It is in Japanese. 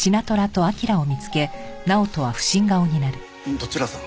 どちらさん？